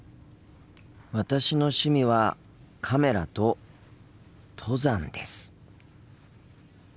私の趣味はカメラと登山です。